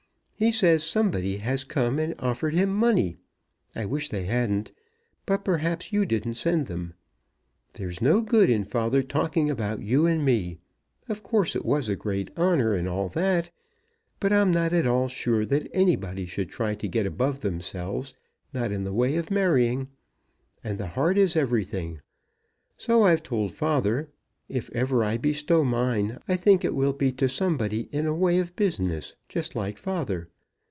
He says somebody has come and offered him money. I wish they hadn't, but perhaps you didn't send them. There's no good in father talking about you and me. Of course it was a great honour, and all that, but I'm not at all sure that anybody should try to get above themselves, not in the way of marrying. And the heart is everything. So I've told father. If ever I bestow mine, I think it will be to somebody in a way of business, just like father.